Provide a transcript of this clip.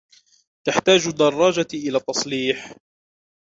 تحتاج دراجتي إلى تصليح.